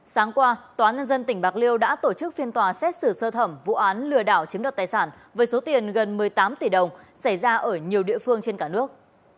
sáng qua tòa nhân dân tỉnh bạc liêu đã tổ chức phiên tòa xét xử sơ thẩm vụ án lừa đảo chiếm đoạt tài sản với số tiền gần một mươi tám tỷ đồng xảy ra ở nhiều địa phương trên cả nước